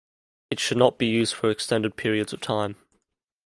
It should not be used for extended periods of time.